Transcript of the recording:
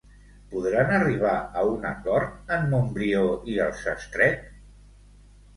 Podran arribar a un acord en Montbrió i el Sastret?